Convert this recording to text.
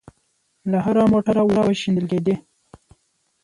له هره موټره اوبه شېندل کېدې.